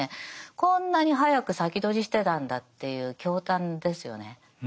こんなに早く先取りしてたんだっていう驚嘆ですよね。